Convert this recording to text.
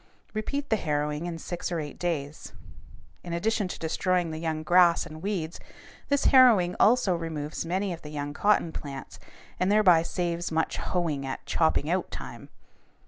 Repeat the harrowing in six or eight days. In addition to destroying the young grass and weeds, this harrowing also removes many of the young cotton plants and thereby saves much hoeing at "chopping out" time.